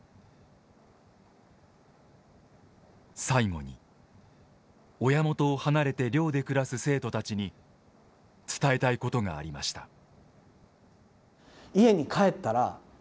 最後に親元を離れて寮で暮らす生徒たちに伝えたいことがありました。